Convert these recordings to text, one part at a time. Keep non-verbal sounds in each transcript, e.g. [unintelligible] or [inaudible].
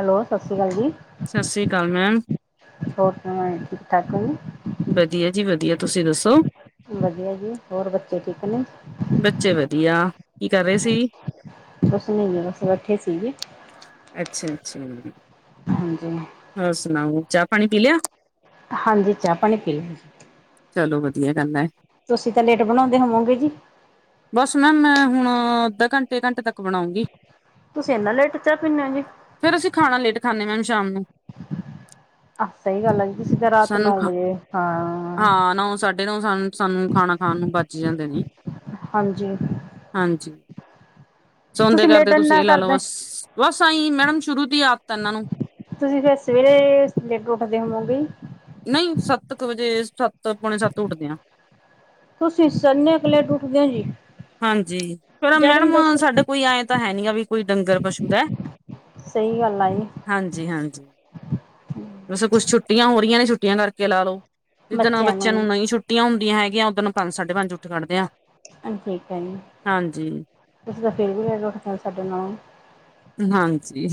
Hello ਸਾਸਰੀ ਕਾਲ ਜੀ। ਸਸਰੀ ਕਾਲ ਮੈਮ। ਹੋਰ ਸੁਣਾਏਂ ਠੀਕ ਠਾਕ ਵੀ। ਵਦੀਆ ਜੀ ਵਦੀਆ ਤੁਸੀਂ ਦੱਸੋ? ਵਦੀਆ ਜੀ ਹੋਰ ਬੱਚੇ ਠੀਕ ਨੇ। ਬੱਚੇ ਵਧੀਆ ਕੀ ਕਰ ਰੇ ਸੀ? ਕੁਛ ਨੀ ਬਸ ਬੈਠੀ ਸੀਗੀ। ਅੱਛਾ-ਅੱਛਾ ਈ‌। ਹਾਂਜੀ। ਹੋਰ ਸੁਣਾਓ ਚਾ ਪਾਣੀ ਪੀ ਲਿਆ। ਹਾਂਜੀ ਚਾ ਪਾਣੀ ਪੀ ਲੀ। ਚਲੋ ਵਦੀਆ ਗੱਲ ਐ। ਤੁਸੀਂ ਤਾਂ ਲੇਟ ਬਣਾਉਂਦੇ ਹੋਵੋਂਗੇ ਜੀ। ਬਸ ਮੈਮ ਮੈਂ ਹੁਣ ਅੱਧਾ ਘੰਟੇ, ਘੰਟੇ ਤੱਕ ਬਣਾਉਂਗੀ। ਤੁਸੀਂ ਏਨਾ ਲੇਟ ਚਾਅ ਪੀਂਨੇ ਓ ਜੀ? ਫੇਰ ਅਸੀਂ ਖਾਣਾ ਲੇਟ ਖਾਂਨੇ ਮੈਮ ਸ਼ਾਮ ਨੂੰ। ਆਹ ਸਹੀ ਗੱਲ ਆ। ਤੁਸੀਂ ਤਾਂ ਰਾਤ ਸਾਨੂੰ ਨੌ ਖਾ ਵਜੇ ਹਾਂ ਹਾਂ, ਨੌ ਸਾਠ- ਸ ਸਾਨੂੰ ਖਾਣਾ ਖਾਣ ਨੂੰ ਬਚ ਜਾਂਦੇ ਨੇ। ਹਾਂਜੀ। ਹਾਂਜੀ। ਸੌਂਦੇ ਲੇਟ ਕਰਦੇ ਤੁਸੀਂ ਇੰਨਾ ਇਹ ਲਾ ਲਓ ਕਰਦੇ। ਬਸ, ਬਸ ਆਈ ਮੈਡਮ ਸ਼ੁਰੂ ਦੀ ਆਦਤ ਇਹਨਾਂ ਨੂੰ ਤੁਸੀਂ ਫਿਰ ਸਵੇਰੇ ਲੇਟ ਉੱਠਦੇ ਹੋਵੋਗੇ? ਨਹੀਂ ਸੱਤ ਕੁ ਵਜੇ, ਸੱਤ ਪੌਣੇ ਸੱਤ ਉੱਠਦੇ ਆ। ਤੁਸੀਂ ਸੰ ਇਨੀ ਲੇਟ ੳਟਦੇ ਹੋ ਜੀ? ਹਾਂਜੀ, ਫਿਰ ਜਦ ਨੂੰ ਮੈਡਮ ਦੱਸ ਸਾਡਾ ਕੋਈ ਐਂ ਤਾਂ ਹੈ ਨੀ ਆ ਵੀ ਕੋਈ ਡੰਗਰ, ਪਸੂ ਦਾ। ਸਹੀ ਗੱਲ ਆ ਜੀ। ਹਾਂਜੀ ਹਾਂਜੀ, ਵੈਸੇ ਕੁਛ ਛੁੱਟੀਆਂ ਹੋ ਰਹੀਆਂ ਨੇ ਛੁੱਟੀਆਂ ਕਰਕੇ ਲਾ ਲਓ। ਜਿੱਦਣ ਬੱਚਿਆਂ ਨੂੰ ਨਵ ਛੁੱਟੀਆਂ ਹੁੰਦੀਆਂ ਹੈਗੀਆਂ, ਉੱਦਰ ਨਾਲ ਪੰਜ ਸਾਢੇ ਪੰਜ ਉੱਠ ਕੱਢਦੇ ਆ। ਹਾਂ ਠੀਕ ਹੈ ਜੀ, ਹਾਂਜੀ। ਤੁਸੀਂ ਤਾਂ ਫਿਰ ਵੀ ਐਡਰੱਸ ਸਾਡੇ ਨਾਲੋਂ। ਹਾਂਜੀ।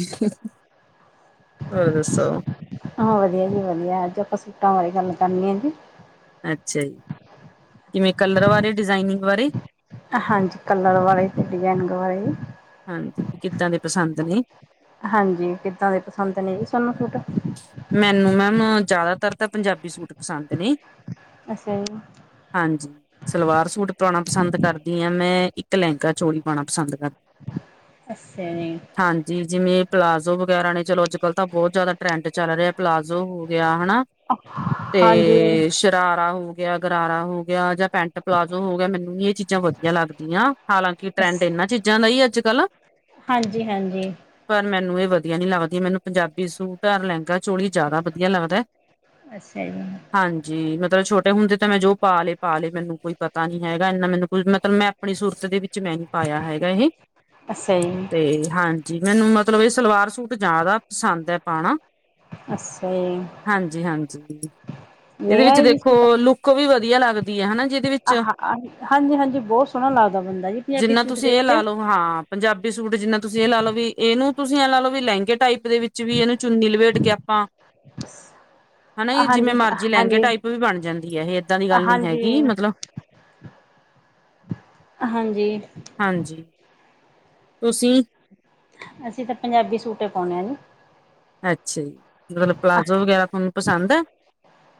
ਹੋਰ ਦੱਸੋ? ਹਾਂ ਵਧੀਆ ਜੀ ਵਧੀਆ, ਅੱਜ ਆਪਾਂ ਸੂਟਾਂ ਬਾਰੇ ਗੱਲ ਕਰਨੀ ਆ ਜੀ। ਅੱਛਾ ਜੀ, ਕਿਵੇਂ ਕਲਰ ਬਾਰੇ, ਡਿਜ਼ਾਇਨਿੰਗ ਬਾਰੇ? ਹਾਂਜੀ, ਕਲਰ ਬਾਰੇ ਤੇ ਡਿਜ਼ਾਇਨਗ ਬਾਰੇ। ਹਾਂਜੀ, ਕਿੱਦਾਂ ਦੇ ਪਸੰਦ ਨੇ? ਹਾਂਜੀ ਕਿੱਦਾਂ ਦੇ ਪਸੰਦ ਨੇ ਜੀ ਸਾਨੂੰ ਸੂਟ? ਮੈਨੂੰ ਨ ਜਿਆਦਾਤਰ ਤਾਂ, ਪੰਜਾਬੀ ਸੂਟ ਪਸੰਦ ਨੇ। ਅੱਛਾ ਜੀ। ਹਾਂਜੀ। ਸਲਵਾਰ ਸੂਟ ਪਾਉਣਾ ਪਸੰਦ ਕਰਦੀ ਹਾਂ ਮੈਂ, ਇੱਕ ਲਹਿੰਗਾ ਚੋਲੀ ਪਾਉਣਾ ਪਸੰਦ ਕਰਦੀ। ਅੱਛਾ ਜੀ। ਹਾਂਜੀ, ਜਿਵੇਂ ਪਲਾਜ਼ੋ ਵਗੈਰਾ ਨੇ, ਚਲੋ ਅੱਜ ਕੱਲ੍ਹ ਤਾਂ ਬਹੁਤ ਜ਼ਿਆਦਾ ਟਰੈਂਡ ਚੱਲ ਰਿਹਾ, ਪਲਾਜ਼ੋ ਹੋ ਗਿਆ, ਹਨਾ ਹਾਂਜੀ ਤੇ ਸ਼ਰਾਰਾ ਹੋ ਗਿਆ, ਗਰਾਰਾ ਹੋ ਗਿਆ, ਜਾਂ ਪੈਂਟ ਪਲਾਜੋ ਹੋ ਗਿਆ, ਮੈਨੂੰ ਨੀ ਇਹ ਚੀਜ਼ਾਂ ਵਧੀਆ ਲੱਗਦੀਆਂ। ਹਾਲਾਂਕਿ, ਟਰੈਂਡ ਅੱਛਾ ਇਹਨਾਂ ਚੀਜ਼ਾਂ ਦਾ ਹੀ ਅੱਜ ਕੱਲ। ਹਾਂਜੀ ਹਾਂਜੀ ਪਰ ਮੈਨੂੰ ਇਹ ਵਧੀਆ ਨੀ ਲੱਗਦੀਆਂ। ਮੈਨੂੰ ਪੰਜਾਬੀ ਸੂਟ, ਲਹਿੰਗਾ ਚੋਲੀ ਜ਼ਿਆਦਾ ਵਧੀਆ ਲੱਗਦਾ। ਅੱਛਾ ਜੀ। ਹਾਂਜੀ, ਮਤਲਬ ਛੋਟੇ ਹੁੰਦੇ ਤਾਂ ਮੈਂ ਜੋ ਪਾ ਲਏ ਪਾ ਲਏ, ਮੈਨੂੰ ਕੋਈ ਪਤਾ ਨੀ ਹੈਗਾ ਇੰਨਾ, ਮੈਨੂੰ ਕੁੱਝ ਮਤਲਬ ਮੈਂ ਆਪਣੀ ਸੂਰਤ ਦੇ ਵਿੱਚ ਮੈਂ ਨਹੀਂ ਪਾਇਆ ਹੈਗਾ ਇਹ, ਅੱਛਾ ਜੀ ਤੇ ਹਾਂ ਜੀ ਮੈਨੂੰ ਮਤਲਬ, ਇਹ ਸਲਵਾਰ ਸੂਟ ਜ਼ਿਆਦਾ ਪਸੰਦ ਹੈ ਪਾਉਣਾ। ਅੱਛਾ ਜੀ। ਹਾਂਜੀ, ਹਾਂਜੀ। ਇਹਦੇ ਲੈ ਵਿੱਚ ਆਏ ਜੀ ਸੂਟ ਦੇਖੋ, ਲੁੱਕ ਵੀ ਵਧੀਆ ਲੱਗਦੀ ਹੈ ਹਨਾ ਜੀ ਇਹਦੇ ਵਿੱਚ। ਹਾਂਜੀ ਹਾਂਜੀ ਬਹੁਤ ਸੋਹਣਾ ਲੱਗਦਾ ਬੰਦਾ ਜੀ ਪੰਜਾਬੀ ਜਿੰਨਾ ਸੂਟ ਤੁਸੀਂ ਦੇ ਇਹ ਲਾ ਵਿੱਚ ਲਓ, ਹਾਂ। ਪੰਜਾਬੀ ਸੂਟ ਜਿੰਨਾ ਤੁਸੀਂ ਇਹ ਲਾ ਲਓ ਵੀ, ਇਹਨੂੰ ਤੁਸੀਂ ਇਹ ਲਾ ਲ ਲੋ ਵੀ, ਲਹਿੰਗੇ ਟਾਈਪ ਦੇ ਵਿੱਚ ਵੀ ਇਹਨੂੰ ਚੁੰਨੀ ਲਵੇੇਟ ਕੇ ਆਪਾਂ ਹਨਾ ਜਿਵੇਂ ਹਾਂਜੀ ਮਰਜੀੀ ਲਹਿੰਗੇ ਹਾਂਜੀ ਟਾਈਪ ਵੀ ਬਣ ਜਾਂਦੀ ਹੈ ਇਹ, ਏਦਾਂ ਦੀ ਗੱਲ ਨੀ ਹਾਂਜੀ ਹੈਗੀ ਮਤਲਬ ਹਾਂਜੀ। ਹਾਂਜੀ, ਤੁਸੀਂ ਅਸੀਂ ਤਾਂ ਪੰਜਾਬੀ ਸੂਟ ਪਾਉਨੇ ਹਾਂ ਨੀ। ਅੱਛਾ ਜੀ, ਮਤਲਬ ਪਲਾਜ਼ੋ ਵਗੈਰਾ ਤੁਹਾਨੂੰ ਪਸੰਦ ਹੈ?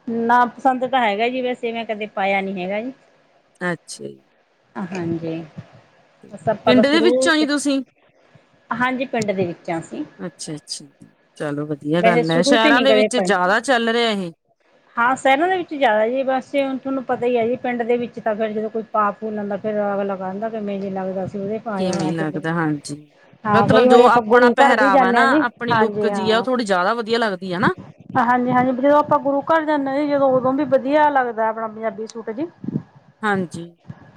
ਨਾ, ਪਸੰਦ ਤਾਂ ਹੈਗਾ ਜੀ, ਵੈਸੇ ਮੈਂ ਕਦੇ ਪਾਇਆ ਨੀ ਹੈਗਾ ਜੀ। ਅੱਛਾ ਜੀ। ਹਾਂਜੀ। ਬਸ ਆਪਾਂ ਤਾਂ ਪਿੰਡ ਦੇ ਸ਼ੁਰੂ, ਵਿੱਚੋਂ ਜੀ ਤੁਸੀਂ ਹਾਂਜੀ, ਪਿੰਡ ਦੇ ਵਿੱਚ ਹਾਂ ਅਸੀਂ। ਅੱਛਾ-ਅੱਛਾ, ਚਲੋ ਵਧੀਆ ਵੈਸੇ ਗੱਲ ਐ, ਸ਼ੁਰੂ ਤੇ ਸ਼ਹਿਰਾਂ ਨੀ ਦੇ ਕਦੇ ਵਿੱਚ ਪਾਈ ਜ਼ਿਆਦਾ ਚੱਲ ਰਿਹਾ ਇਹ। ਹਾਂ, ਸੈਰਾਂ ਦੇ ਵਿੱਚ ਜਾਇਦਾ ਜੀ ਬਸ ਏ, ਹੁਣ ਥੁਨੂੰ ਪਤਾ ਹੀ ਐ ਜੀ ਪਿੰਡ ਦੇ ਵਿੱਚ ਤਾਂ ਫੇਰ ਜਦੋਂ ਕੋਈ ਪਾਪ ਫੂਲਣ ਦਾ ਤੇ ਫਿਰ ਆਗ ਲਗਾੰਦੈ ਨੇ ਫੇਰ ਮੇਰੇ ਲਗਦਾ ਸੀ ਉਦੇ ਪਾਯਾ ਕਿਵੇਂ ਹੋਆ ਕਿਦੇ। ਲੱਗਦਾ ਹਾਂਜੀ ਹਾਂ, ਮਤਲਬ ਬਈ ਜੋ ਵਰੇ ਅਪਾਂ ਆਪਣਾ ਗੁਰੂ ਘਰ ਵੀ ਜਾਂਨੇ ਆਂ ਜੀ, ਹਾਂਜੀ ਹਾਂ। ਜਾਦਾ ਵਧੀਆ ਲੱਗਦੀ ਐ ਨਾ। ਹਾਂਜੀ-ਹਾਂਜੀ, ਬ ਜਦੋ ਅਪਾਂ ਗੁਰੂ ਘਰ ਜਾਂਨੇ ਆ ਜੀ ਜਦੋਂ ਓਦੋਂ ਬੀ ਬਧੀਆ ਲੱਗਦੈ ਅਪਣਾ ਪੰਜਾਬੀ ਸੂਟ ਜੀ। ਹਾਂਜੀ,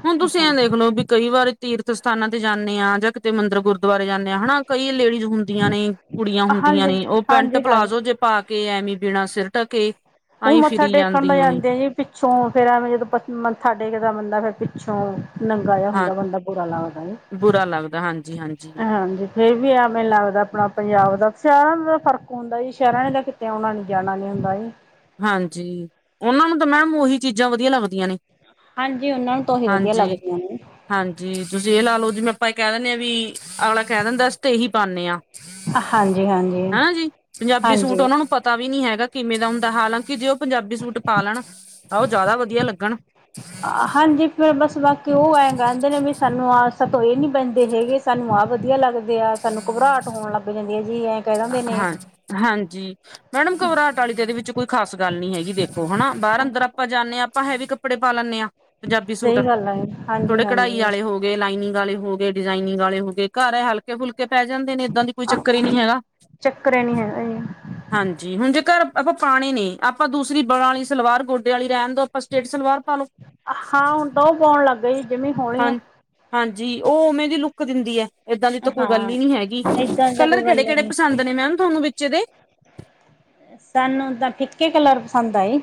ਹੁਣ ਤੁਸੀਂ ਐਂ ਹਾਂਜੀ ਦੇਖ ਲੋ ਬੀ ਕਈ ਵਾਰ ਤੀਰਥ ਸਥਾਨਾਂ ਤੇ ਜਾਂਣੇ ਆਂ ਜਾਂ ਕਿਤੇ ਮੰਦਰ, ਗੁਰਦੁਆਰੇ ਜਾਂਣੇ ਆਂ ਹਨਾ, ਕਈ ਲੇਡੀਜ਼ ਹੁੰਦੀਆਂ ਨੇ ਕੁੜੀਆਂ ਹੁੰਦੀਆਂ ਹਾਂਜੀ ਨੇ, ਓਹ ਪੈਂਟ, ਹਾਂਜੀ ਹਾਂਜੀ ਪਲਾਜ਼ੋ ਜੇ ਪਾ ਕੇ ਐਵੇ ਬਿਨਾਂ ਸਿਰ ਟਕੇ ਹੁਣ ਮੱਥਾ ਟੇਕਣ ਲਈ ਆੰਦੇ ਆ ਜੀ ਪਿੱਛੋਂ ਫੇਰ ਐਵੇਂ ਜਦੋਂ ਮੱਥਾ ਟੇਕਦਾ ਬੰਦਾ ਫੇਰ ਪਿੱਛੋਂ ਨੰਗਾ ਜਾ ਹਾਂ ਹੁੰਦਾ ਬੰਦਾ ਬੁਰਾ ਲੱਗਦਾ ਏ, ਬੁਰਾ ਲੱਗਦਾ ਹਾਂਜੀ ਏ ਹਾਂਜੀ। ਫੇਰ ਵੀ ਆ ਮੈਨੂੰ ਲੱਗਦੈ ਅਪਣਾ ਪੰਜਾਬ ਦਾ ਸੈ਼ਰਾਂ ਦਾ ਤਾਂ ਫਰਕ ਹੁੰਦੈ ਜੀ, ਸੈ਼ਰਾਂ ਨੇ ਤਾਂ ਕਿਤੇ ਆਉਣਾ ਨੀ ਜਾਣਾ ਨੀ ਹੁੰਦਾ ਜੀ। ਹਾਂਜੀ, ਓਨਾਂ ਨੂੰ ਤਾਂ ਮੈਮ ਓਹੀ ਚੀਜ਼ਾਂ ਵਧੀਆ ਲੱਗਦੀਆਂ ਨੇ। ਹਾਂਜੀ, ਉਨਾਂ ਨੂੰ ਤਾ ਉਹੀ ਵਧੀਆ ਹਾਂਜੀ ਲੱਗਦੀਆਂ ਨੇ। ਹਾਂਜੀ, ਤੁਸੀਂ ਏਹ ਲਾ ਲੋ ਜਿਵੇਂ ਆਪਾਂ ਏਹ ਕੈ ਦਿੰਣੇ ਆਂ ਵੀ ਅਗਲਾ ਕੈਹ ਦਿੰਦਾ ਅਸ ਤੇ ਏਹੀ ਪਾਣੇ ਆਂ। ਹਾਂਜੀ-ਹਾਂਜੀ, ਹੈਂਨਾ ਜੀ, ਪੰਜਾਬੀ ਸੂਟ ਹਾਂਜੀ। ਹਾਂਜੀ ਓਨਾ ਨੂੰ ਪਤ ਤਾ ਵੀ ਨੀ ਹੈਗਾ ਕਿਵੇਂ ਦਾ ਹੁੰਦਾ, ਹਾਲਾਂਕਿ ਜੇ ਓਹ ਪੰਜਾਬੀ ਸੂਟ ਪਾ ਲੈਣ ਤਾਂ ਓਹ ਜਾਦਾ ਵਧੀਆ ਲੱਗਣ। ਹਾਂਜੀ, ਫਿਰ ਓ ਬਸ ਬਾਕੀ ਓ ਐ ਗੰਦ ਨੇ ਵੀ ਸਾਨੂੰ ਆਸ ਤੋਂ ਇਹ ਨੀ ਪੈਂਦੇ ਹੈਗੇ ਸਾਨੂੰ ਆਹ ਵਧੀਆ ਲੱਗਦੇ ਆ, ਸਾਨੂੰ ਘਬਰਾਟ ਹੋਣ ਲੱਗ ਜਾਂਦੀ ਐ ਜੀ, ਐਂ ਕੈਹ ਦਿੰਦੇ ਨੇ। ਹਾਂ ਹਾਂਜੀ, ਮੈਡਮ ਘਬਰਾਟ ਆਲੀ ਤੇ ਐਦੇ ਵਿੱਚ ਕੋਈ ਖਾਸ ਗੱਲ ਨੀ ਹੈਗੀ, ਦੇਖ ਖੋ ਹੈਨਾ ਬਾਰ ਅੰਦਰ ਆਪਾਂ ਜਾਂਨੇ ਆਂ, ਆਪਾਂ ਹੈਵੀ ਕੱਪੜੇ ਪਾ ਲੈਂਣੇ ਆਂ। ਪੰਜਾਬੀ ਸੂਟ, ਸਹੀ ਗੱਲ ਹੈ ਥੋੜੇ ਕਢਾਈ ਹਾਂਜੀ-ਹਾਂਜੀ ਆਲੇ ਹੋ ਗ ਗੇ, ਲਾਈਨਿੰਗ ਆਲੇ ਹੋ ਗੇ, ਡਿਜ਼ਾਇਨਿੰਗ ਆਲੇ ਹੋ ਗੇ। ਘਰ ਐ ਹਲਕੇ-ਫੁਲਕੇ ਪੈ ਜਾਂਦੇ ਨੇ ਏਦਾਂ ਦੀ ਕੋਈ ਚੱਕਰ ਹੀ ਨੀ ਹੈਗਾ। ਚੱਕਰ ਨੀ ਹੈਗਾ ਜੀ ਹਾਂਜੀ, ਹੁਣ ਜੇ ਘਰ ਅਪਾਂ ਪਾਣੇ ਨੇ ਆਪਾਂ ਦੂਸਰੀ ਬਲਾਂ ਆਲੀ ਸਲਵਾਰ ਗੋਡੇ ਆਲੀ ਰੈਣ ਦੋ, ਅਪਾਂ ਸਟੇਟ ਸਲਵਾਰ ਪਾਲੋ। ਹਾਂ, ਹੁਣ ਦੋ ਪੋਣ ਲੱਗ ਗਏ ਜਿਮੀਂ ਹੋਨੀ ਹਾਂ ਐ। ਹਾਂਜੀ, ਓਹ ਉਮੇਂ ਦੀ ਲੁੱਕ ਦਿੰਦੀ ਐ। ਏਦਾਂ ਦੀ ਤਾਂ ਕੋਈ ਗੱਲ ਹਾਂ ਈ ਨੀ ਹੈਗੀ, ਏਦਾਂ ਦਾ ਕਲਰ ਕੋਈ ਗੱਲ ਕੇੜੇ-ਕੇੜੇ ਨੀ ਪਸੰਦ ਨੇ ਮੈਮ ਤੁਹਾਨ ਵਿਚ ਇਦੇ? ਸਾਨੂੰ ਤਾਂ ਫਿੱਕੇ ਕਲਰ ਪਸੰਦ ਆਏ।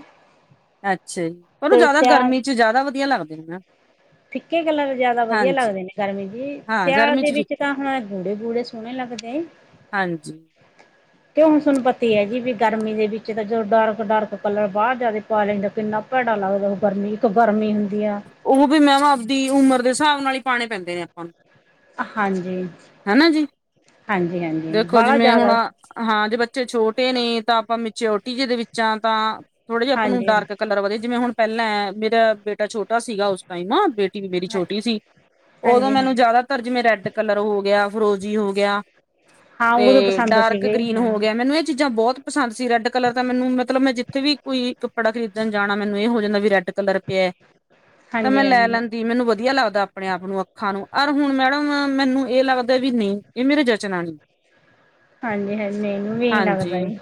ਅੱਛਾ ਜੀ, ਪਰ ਊ ਤੇ ਜਾਦਾ ਸਿਆ ਗਰਮੀ ਚ ਜਾਦਾ ਵਧੀਆ ਲੱਗਦੇ ਨਾ। ਫਿੱਕੇ ਕਲਰ ਜਾਦਾ ਵਧੀਆ ਲੱਗਦੇ ਨੇ ਗਰਮੀ ਜੀ। ਹਾਂ ਸਿਆਲ ਗਰਮੀ ਦੇ ਚ ਵਿੱਚ ਫਿੱਕੇ ਤਾਂ ਹਾਂ ਗੂੜੇ ਗੂੜੇ ਸੋਣੇ ਲੱਗਦੇ। ਹਾਂਜੀ। ਤੇ ਹੁਣ ਸੁਣ ਪਤੀ ਐ ਜੀ ਵੀ ਗਰਮੀ ਦੇ ਵਿੱਚ ਤਾਂ ਜਦੋਂ ਡਾਰਕ-ਡਾਰਕ ਕਲਰ ਬਾਰ ਜਾਵੇ ਪਾ ਲੈਂਦਾ ਕਿੰਨਾ ਪੈੜਾ ਲੱਗਦਾ ਉ ਗਰਮੀ ਇੱਕ ਗਰਮੀ ਹੁੰਦੀ ਆ। ਉਹ ਵੀ ਮੈਮ ਆਪਦੀ ਉਮਰ ਦੇ ਸਾਬ ਨਾਲ ਹੀ ਪਾਣੇ ਪੈਂਦੇ ਨੇ ਆਪਾਂ ਨੂੰ। ਅ ਹਾਂਜੀ। ਹਨਾ ਜੀ, ਹਾਂਜੀ ਹਾਂਜੀ ਦੇਖੋ ਬਾਹਲਾ ਜਿਵੇਂ ਹੁਣ ਜ਼ਿਆਦਾ ਆ ਹਾਂ ਜੇ ਬੱਚੇ ਛੋਟੇ ਨੇ, ਤਾਂ ਆਪਾਂ ਮਿਚਿਓਰਟੀ ਜਿਦੇ ਵਿੱਚਾਂ ਤਾਂ ਥੋੜਾ ਜੇ ਆਪਾਂ ਨੂੰ ਹਾਂਜੀ ਡਾਰਕ ਕਲਰ ਵਧੀਆ ਜਿਵੇਂ ਹੁਣ ਪੈਲਾਂ ਐ ਮੇਰਾ ਬੇਟਾ ਛੋਟਾ ਸੀਗਾ ਉਸ ਟਾਈਮ ਅ ਬੇ ਟੀ ਵੀ ਮੇਰੀ ਛੋਟੀ ਸੀ। ਓਦੋਂ ਹਾਂਜੀ ਮੈਨੂੰ ਹਾਂ ਜਾਦਾਤਰ ਜਿਵੇਂ ਰੈੱਡ ਕਲਰ ਹੋ ਗਯਾ ਫਰੋਜੀ ਹੋ ਗਯਾ ਹਾਂ ਉਦੋਂ ਤੇ ਪਸੰਦ ਡਾਰਕ ਸੀਗੇ ਗ੍ਰੀਨ ਹਾਂ ਹੋ ਗਯਾ ਤੇ ਮੈਨੂੰ ਐ ਚੀਜ਼ਾਂ ਬੋਹਤ ਪਸੰਦ ਸੀ। ਰੈੱਡ ਕਲਰ ਤਾ ਮੈਨੂੰ ਮਤਲਬ ਮੈਂ ਜਿੱਥੇ ਵੀ ਕੋਈ ਕੱਪੜਾ ਖਰੀਦਣ ਜਾਣਾ, ਮੈਨੂੰ ਏ ਹੋ ਜਾਂਦਾ ਵੀ ਰੈੱਡ ਕਲਰ ਪਯਾ ਤਾਂ ਮੈਂ ਹਾਂਜੀ ਲੈ ਹਾਂਜੀ ਲੈਂਦੀ, ਮੈਨੂੰ ਵਧੀਆ ਲੱਗਦਾ ਆਪਣੇ ਆਪ ਨੂੰ ਅੱਖਾਂ ਨੂੰ। ਅਰ ਹੁਣ ਮੈਡਮ ਮੈਨੂੰ ਏ ਲੱਗਦਾ ਵੀ ਨੀ ਏ ਮੇਰੇ ਜਚਨਾ ਨੀ। ਹਾਂਜੀ-ਹਾਂਜੀ, ਮੇਨੂੰ ਵੀ ਏਹੀ ਲੱਗਦਾ ਹਾਂਜੀ ਏ।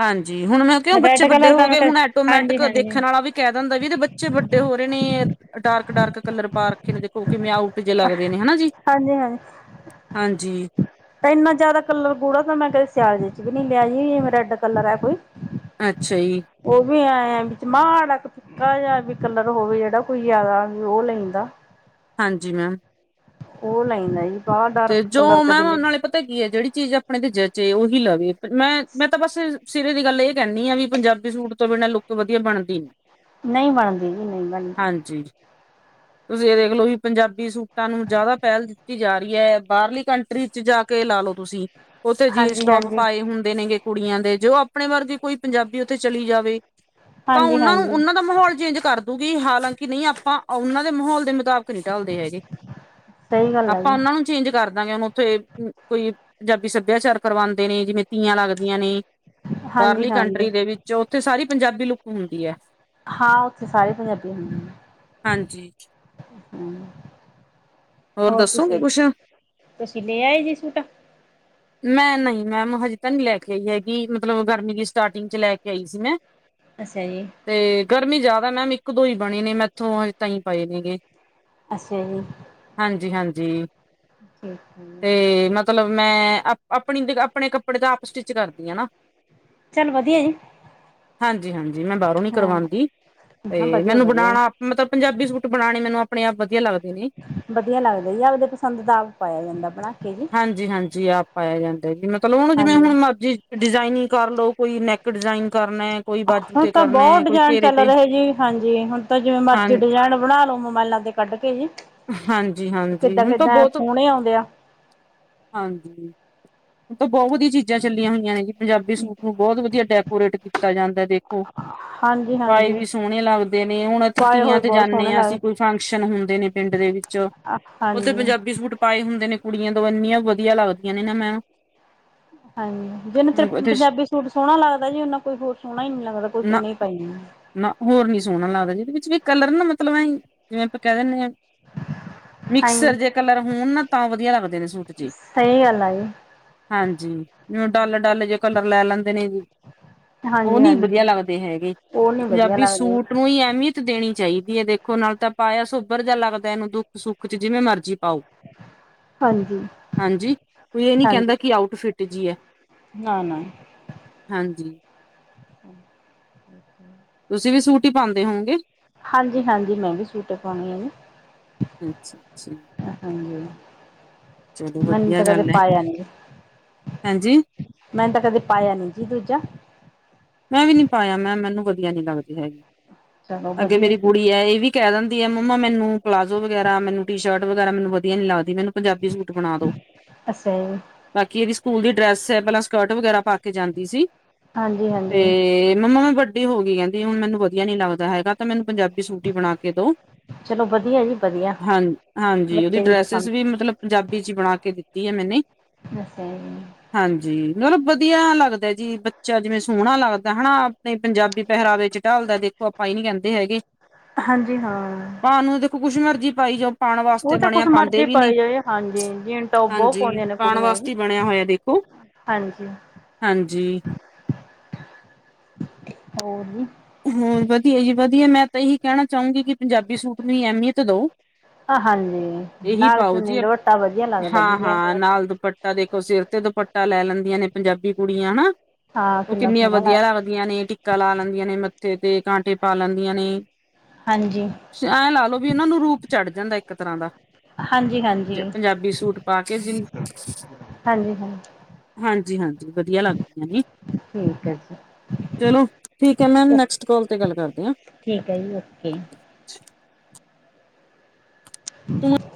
ਹਾਂਜੀ, ਹੁਣ ਮੈਂ ਕੇਹਾ ਬੱਚੇ ਰੈਡ ਵੱਡੇ ਕਲਰ ਹੋ ਤਾਂ ਮੈਂ ਗਏ ਕ ਹੁਣ ਹਾਂਜੀ ਐਟੋਮੈਟਿਕ ਹਾਂਜੀ ਦੇਖਣ ਆਲਾ ਵੀ ਕੈ ਦਿੰਦਾ ਵੀ ਇਦੇ ਬੱਚੇ ਵੱਡੇ ਹੋ ਰੇ ਨੇ ਡਾਰਕ-ਡਾਰਕ ਕਲਰ ਪਾ ਰ ਕਿਨੇ ਦੇਖੋ ਓ ਕਿਵੇਂ ਆਊਟ ਜੇ ਲੱਗਦੇ ਨੇ, ਹੈਨਾ ਜੀ। ਹਾਂਜੀ ਹਾਂਏ। ਹਾਂਜੀ। ਤਾਂ ਇੰਨਾ ਜ਼ਿਆਦਾ ਕਲਰ ਗੂੜਾ ਤਾਂ ਮੈਂ ਕਦੇ ਸਿਆਲ ਚ ਵੀ ਨੀ ਲਿਆ ਜਾਵੇ ਰੈਡ ਕਲਰ ਐ ਕੋਈ। ਅੱਛਾ ਈ। ਓ ਵੀ ਐ ਵਿੱਚ ਮਾੜਾ‌ ਕ ਕਾਜਾ ਵੀ ਕਲਰ ਹੋਵੇ ਜਿਹੜਾ ਕੋਈ ਜ਼ਿਆਦਾ ਵੀ ਓ ਲਈਂਦਾ। ਹਾਂਜੀ ਮੈਮ। ਓ ਲਾਈਨ ਆਈ। ਤੇ ਜੋ ਮੈਂਮ ਓ ਨਾਲੇ ਪਤਾ ਕੀ ਐ ਜੇੜੀ ਚੀਜ਼ ਅਪ ਣੇ ਦੇ ਜਚੇ ਓਹੀ ਲਵੇ ਮੈਂ ਮੈਂ ਤਾਂ ਬਸ ਸਿਰੇ ਦੀ ਗੱਲ ਏਹੀ ਕੈਣੀ ਹਾਂ ਵੀ ਪੰਜਾਬੀ ਸੂਟ ਤੋਂ ਬਿਨਾਂ ਲੁੱਕ ਵਧੀਆ ਬਣਦੀ ਨੀ। ਨਈ ਬਾਣਦੀ ਜੀ ਨਈ ਬਣਦੀ। ਹਾਂਜੀ ਤੁਸੀਂ ਇਹ ਦੇਖ ਲੋਂ ਵੀ ਪੰਜਾਬੀ ਸੂਟਾਂ ਨੂੰ ਜਾਦਾ ਪੈਲ ਦਿੱਤੀ ਜਾ ਰੀ ਯੇ ਬਾਰਲੀ ਕੰਟਰੀ ਚ ਜਾ ਕੇ ਲਾ ਲੋ ਤੁਸੀਂ ਉੱਥੇ ਹਾਂਜੀ ਜੀਨਸ-ਟੋਪ ਹਾਂਜੀ ਪਾਏ ਹੁੰਦੇ ਨੇਗੇ। ਕੁੜੀਆਂ ਦੇ ਜੋ ਆਪਣੇ ਵਰਗੀ ਕੋਈ ਪੰਜਾਬੀ ਓਥੇ ਚਲੀ ਜਾਵੇ। ਤਾਂ ਹਾਂਜੀ ਓਨਾਂ ਨੂੰ ਹਾਂਜੀ ਓਨਾਂ ਦਾ ਮਾਹੌਲ ਚੇਂਜ ਕਰ ਗੀ ਹਾਲਾਂਕਿ ਨਹੀਂ ਆਪਾਂ ਉਹਨਾਂ ਦੇ ਮਾਹੌਲ ਦੇ ਮੁਤਾਬਿਕ ਨਹੀਂ ਢਲਦੇ ਹੈਗੇ। ਸਈ ਗੱਲ ਐ। [unintelligible] ਚੇਂਜ ਕਰਦਾਂਗੇ ਓਨੂੰ ਉੱਥੇ ਕੋਈ ਪੰਜਾਬੀ ਸੱਭਿਆਚਾਰ ਕਰਵਾਂਦੇ ਨੇ ਜਿਵੇਂ ਤੀਆਂ ਲੱਗਦੀਆਂ ਨੇ। ਹਾਂਜੀ ਬਾਰਲੀ ਹਾਂਜੀ ਕੰਟਰੀ ਦੇ ਵਿੱਚ ਓਥੇ ਸਾਰੀ ਪੰਜਾਬੀ ਲੁੱਕ ਹੁੰਦੀ ਐ। ਹਾਂ ਓਥੇ ਸਾਰੇ ਪੰਜਾਬੀ ਹੁੰਦੇ ਨੇ। ਹਾਂਜੀ। ਹੋਰ ਦੱਸੋਗੇ ਤੁਸੀਂ, ਕੁਛ ਤੁਸੀਂ ਲੇ ਆਏ ਸੀ ਸੂਟ। ਮੈਂ ਨਹੀਂ ਮੈਮ ਹਜੇ ਤ ਨੀ ਲੈ ਕੇ ਆਈ ਹੈਗੀ ਮਤਲਬ ਗਰਮੀ ਦੀ ਸਟਾਰਟਿੰਗ ਚ ਲੈ ਕੇ ਆਈ ਸੀ ਮੈਂ। ਅੱਛਾ ਈ। ਤੇ ਗਰਮੀ ਜਾਦਾ ਮੈਮ ਇੱਕ-ਦੋ ਹੀ ਬਣੇ ਨੇ ਮੈਥੋਂ ਹਜੇ ਤਾਈ ਪਏ ਨੇਗੇ। ਅੱਛਾ ਜੀ। ਹਾਂਜੀ-ਹਾਂਜੀ ਠੀਕ ਹੈ ਜੀ ਤੇ ਮਤਲਬ ਮੈਂ ਆਪਣੀ ਆਪਣੇ ਕੱਪੜੇ ਦਾ ਆਪ ਸਟਿੱਚ ਕਰਦੀ ਆ ਨਾ। ਚੱਲ ਵਧੀਆ ਈ। ਹਾਂਜੀ-ਹਾਂਜੀ ਮੈਂ ਬਾਰੋਂ ਨੀ ਕਰਵਾਦੀ ਹਾਂ ਤੇ ਵਧੀਆ ਮੈਨੂੰ ਵਧੀਆ ਬਣਾਣਾ। ਮਤਲਬ ਪੰਜਾਬੀ ਸੂਟ ਬਣਾਣੇ ਮੈਨੂੰ ਆਪਣੇ ਆਪ ਵਧੀਆ ਲੱਗਦੇ ਨੇ। ਵਧੀਆ ਲੱਗਦਾ ਜੀ ਆਪਦੇ ਪਸੰਦ ਦਾ ਆਪ ਪਾਯਾ ਜਾਂਦਾ ਬਣਾ ਕੇ ਜੀ। ਹਾਂਜੀ-ਹਾਂਜੀ ਆਪ ਪਾਇਆ ਜਾਂਦਾ ਜੀ ਮਤਲਬ ਹੁਣ ਜਿਵੇਂ ਹਾਂਜੀ। ਹੁਣ ਮਰਜ਼ੀ ਡਿਜ਼ਾਇਨਿੰੰਗ ਕਰਲੋ ਕੋਈ ਨੈੱਕ ਡਿਜ਼ਾਇਨ ਕਰਨਾ। ਕੋਈ ਬਾਜੂ ਹੁਣ ਤੇ ਤਾਂ ਬੋ ਕਰਨਾ ਐ, ਕੋਈ ਡਿਜਾਇਨ ਘੇਰੇ ਚੱਲ ਤੇ ਰਹੇ ਜੀ ਹਾਂਜੀ ਹੁਣ ਤਾਂ ਜਿਵੇਂ ਹਾਂ ਮਰਜ਼ੀ ਡਿਜਾਇਨ ਬਣਾ ਲੋ ਮੋਬਾਇਲਾਂ ਤੇ। ਕੱਢ ਕੇ ਜੀ। ਹਾਂਜੀ, ਹਾਂਜੀ ਕਿੱਦਾਂ ਹੁਣ ਤਾਂ ਕਿੱਦਾਂ ਬੋਤ ਸੋਹਣੇ ਆਉਂਦੇ ਆ ਹਾਂਜੀ, ਹੁਣ ਤਾਂ ਬੋਹ ਵਧੀਆ ਚੀਜ਼ਾਂ ਚੱਲੀਆਂ ਹੋਈਆਂ ਨੇ ਜੀ। ਪੰਜਾਬੀ ਸੂਟ ਨੂੰ ਬਹੁਤ ਵਧੀਆ ਡੈਕੋਰੇਟ ਕੀਤਾ ਜਾਂਦਾ ਦੇਖੋ। ਹਾਂਜੀ, ਪਾਏ ਹਾਂਜੀ। ਵੀ ਸੋਹਣੇ ਲੱਗਦੇ ਨੇ ਹੁਣ ਏਥੇ ਪਾਏ ਤੀਆਂ ਹੋਏ ਤੇ ਬਹੁਤ ਜਾਣੇ ਸੋਹਣੇ ਆ ਅਸੀਂ ਲੱਗਦੇ ਕੋਈ ਫੰਕਸ਼ਨ ਹੁੰਦੇ ਨੇ ਪਿੰਡ ਦੇ ਵਿੱਚ ਉਥੇ ਹਾਂਜੀ। ਪੰਜਾਬੀ ਸੂਟ ਪਾਏ ਹੁੰਦੇ ਨੇ ਕੁੜੀਆਂ ਤੋਂ ਇੰਨੀਆਂ ਵਧੀਆ ਲੱਗਦੀਆਂ ਨੇ ਨਾ ਮੈਮ। ਹਾਂਜੀ, ਜਿਹਨੂੰ ਤੇ ਪੰਜਾਬੀ ਸੂਟ ਸੋਹਣਾ ਲੱਗਦਾ ਜੀ ਓਨਾ ਕੋਈ ਹੋਰ ਸੋਹਣਾ ਈ ਨੀ ਲੱਗਦਾ ਕੋਈ ਨਾ ਕਿੰਨਾ ਈ ਪਾਈ ਜਾਏ। ਨਾ ਹੋਰ ਨੀ ਸੋਹਣਾ ਲੱਗਦਾ ਜਿਹਦੇ ਵਿੱਚ ਵੀ ਕਲਰ ਨਾ ਮਤਲਬ ਐਈ ਜਿਵੇਂ ਆਪਾਂ ਕਹਿ ਦੀਨੇ ਆ। ਮਿਕਸਰ ਹਾਂਜੀ ਜੇ ਕਲਰ ਹੋਣ ਨਾ ਤਾਂ ਵਧੀਆ ਲੱਗਦੇ ਨੇ ਸੂਟ ਜੇ। ਸਈ ਗੱਲ ਆ ਜੀ। ਹਾਂਜੀ ਜਿਵੇਂ ਡੱਲ, ਡੱਲ ਜੇ ਕਲਰ ਲੈ ਲੈਂਦੇ ਨੇ ਓ ਹਾਂਜੀ ਨਹੀਂ ਵਧੀਆ ਹਾਂਜੀ ਲੱਗਦੇ ਹੈਗੇ ਉਹ ਨੀ ਵਧੀਆ ਪੰਜਾਬੀ ਲੱਗਦੇ ਸੂਟ ਨੂੰ ਈ ਅਹਿਮੀਅਤ ਦੇਣੀ ਚਾਹੀਦੀ ਐ ਦੇਖੋ ਨਾਲੇ ਤਾਂ ਪਾਇਆ ਸੋਬਰ ਜਾ ਲੱਗਦਾ ਇਹਨੂੰ ਦੁੱਖ ਸੁੱਖ ਚ ਜਿਵੇਂ ਮਰਜ਼ੀ ਪਾਓ। ਹਾਂਜੀ। ਹਾਂਜੀ ਕੋਈ ਏ ਨੀ ਹਾਂਜੀ ਕਹਿੰਦਾ। ਕੀ ਆਊਟ ਫਿਟ ਜੀ ਐ ਨਾ ਨਾ ਹਾਂਜੀ। [inaudible] ਤੁਸੀਂ ਵੀ ਸੂਟ ਈ ਪਾਂਦੇ ਹੋ ਗੇ। ਹਾਂਜੀ, ਹਾਂਜੀ ਮੈਂ ਵੀ ਸੂਟ ਏ ਪਾਉਣੀ ਆ ਜੀ। ਅੱਛਾ ਅੱਛਾ। ਹਾਂਜੀ, ਚਲੋ ਮੈਂਨੇ ਵਧੀਆ ਤਾਂ ਕਦੇ ਗੱਲ ਹੈ ਪਾਇਆ ਨੀ ਜੀ। ਹਾਂਜੀ ਮੈਂਨੇ ਤਾਂ ਕਦੇ ਪਾਇਆ ਨੀ ਜੀ ਦੂਜਾ। ਮੈਂ ਵੀ ਨੀ ਪਾਇਆ। ਮੈਮ ਮੈਨੂੰ ਵਧੀਆ ਨੀ ਲੱਗਦੀ ਹੈਗੀ। ਚਲੋ ਅੱਗੇ ਵਧੀਆ ਮੇਰੀ ਜੀ ਗੁੜੀਆਂ ਏ ਵੀ ਕਹਿ ਦਿੰਦੀ ਆ ਮੰਮਾ ਮੈਨੂੰ ਪਲਾਜ਼ੋ ਵਗੈਰਾ, ਮੈਨੂੰ ਟੀ ਸ਼ਰਟ ਵਗੈਰਾ, ਮੈਨੂੰ ਵਧੀਆ ਨੀ ਲੱਗਦੀ ਮੈਨੂੰ ਪੰਜਾਬੀ ਸੂਟ ਬਣਾ ਦੋ। ਅੱਛਾ ਜੀ ਬਾਕੀ ਇਹਦੀ ਸਕੂਲ ਦੀ ਡਰੈਸ ਐ ਪਹਿਲਾਂ ਸਕਰਟ ਵਗੈਰਾ ਪਾ ਕੇ ਜਾਂਦੀ ਸੀ। ਹਾਂਜੀ‌, ਹਾਂ ਤੇ ਮੰਮਾ ਮੈਂ ਵੱਡੀ ਹੋਗੀ ਕਹਿੰਦੀ ਹੁਣ ਮੈਨੂੰ ਵਧੀਆ ਨੀ ਲੱਗਦਾ ਹੈਗਾ। ਤਾਂ ਮੈਨੂੰ ਪੰਜਾਬੀ ਸੂਟ ਈ ਬਣਾ ਕੇ ਦੋ। ਚਲੋ ਵਧੀਆ ਜੀ ਵਧੀਆ। ਹਾਂ, ਹਾਂਜੀ ਉਹਦੀ ਬੱਚੇ ਡਰੈਸਿਸ ਪਸੰਦ ਵੀ ਮਤਲਬ ਪੰਜਾਬੀ ਚ ਈ ਬਣਾ ਕੇ ਦਿੱਤੀ ਆ ਮੈਨੇ। [unintelligible] ਹਾਂਜੀ, ਮਤਲਬ ਵਧੀਆ ਲੱਗਦਾ ਜੀ। ਬੱਚਾ ਜਿਵੇਂ ਸੋਹਣਾ ਲੱਗਦਾ ਹਨਾ। ਨਹੀਂ, ਪੰਜਾਬੀ ਪਹਿਰਾਵੇ ਚ ਢੱਲਦਾ ਦੇਖੋ ਆਪਾਂ ਏ ਨੀ ਕਹਿੰਦੇ ਹੈਗੇ। ਹਾਂਜੀ ਹਾਂ ਪਾਣ ਨੂੰ ਦੇਖੋ ਕੁਛ ਮਰਜ਼ੀ ਪਾਈ ਜਾਓ ਪਾਣ ਉਹ ਵਾਸਤੇ ਤਾਂ ਬਣਿਆ ਕੁਛ ਪਾਂਦੇ ਮਰਜ਼ੀ ਵੀ ਨੇ। ਪਾਈ ਜਾਏ ਹਾਂਜੀ ਜੀਨ ਟੋਪ ਬਹੁਤ ਹਾਂਜੀ, ਪਾਉਂਦੀਆਂ ਨੇ ਪਾਣ ਕੁੜੀਆਂ ਜੀ ਵਾਸਤੇ ਈ ਬਣਿਆ ਹੋਇਆ ਦੇਖੋ। ਹਾਂਜੀ, ਹਾਂਜੀ। ਹੋਰ ਜੀ ਹੋਰ ਵਧੀਆ ਜੀ ਵਧੀਆ। ਮੈਂ ਤਾਂ ਇਹੀ ਕਹਿਣਾ ਚਾਹੂੰਗੀ। ਕਿ ਪੰਜਾਬੀ ਸੂਟ ਨੂੰ ਈ ਅਹਿਮੀਅਤ ਦੋ। ਹਾਂਜੀ ਇਹੀ ਨਾਲ ਪਾਓ ਚੁੰਨੀ ਜੀ ਦੁਪੱਟਾ ਵਧੀਆ ਲੱਗਦਾ ਜੀ ਹਾਂ ਲਿਆ ਹਾਂ ਹੋਇਆ ਨਾਲ ਦੁਪੱਟਾ ਦੇਖੋ ਸਿਰ ਤੇ ਦੁਪੱਟਾ। ਟਾ ਲੈ ਲੈਂਦੀਆਂ ਨੇ ਪੰਜਾਬੀ ਕੁੜੀਆਂ ਹਨਾ। ਹਾਂ ਓ ਕਿੰਨਾ ਕਿੰਨੀਆਂ ਸੋਹਣਾ ਵਧੀਆ ਲੱਗਦਾ ਲੱਗਦੀਆਂ ਨੇ। ਟਿੱਕਾ ਲਾ ਲੈਂਦੀਆਂ ਨੇ ਮੱਥੇ ਤੇ ਕਾਂਟੇ ਪਾ ਲੈਂਦੀਆਂ ਨੇ। ਹਾਂਜੀ, ਐਂ ਲਾ ਲਓ ਵੀ ਉਹਨਾਂ ਨੂੰ ਰੂਪ ਚੜ੍ਹ ਜਾਂਦਾ ਇੱਕ ਤਰ੍ਹਾਂ ਦਾ। ਹਾਂਜੀ ਪੰ ਹਾਂਜੀ ਪੰਜਾਬੀ ਸੂਟ ਪਾ ਕੇ ਜਿੰਮ। ਹਾਂਜੀ ਹਾਂਜੀ ਹਾਂਜੀ, ਹਾਂਜੀ ਵਧੀਆ ਲੱਗਦੀਆਂ ਨੀ ਠੀਕ ਹੈ ਚਲੋ ਠੀਕ ਹੈ। ਮੈਮ ਜੀ ਕੋਲ ਤੇ ਗੱਲ ਕਰਦੇ ਹਾਂ। ਠੀਕ ਹੈ ਜੀ ਓਕੇ। [inaudible]